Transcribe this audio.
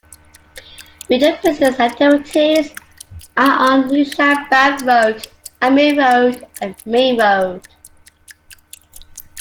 Major business activities are on New Shad Bagh Road, Amir Road and Main Road.